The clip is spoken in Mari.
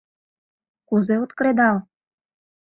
Кузе от кредал?..